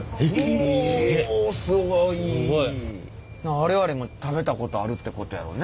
我々も食べたことあるってことやろうね。